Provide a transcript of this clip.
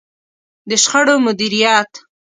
د شخړو مديريت.